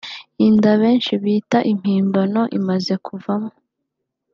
Inda [benshi bita impimbano] imaze kuvamo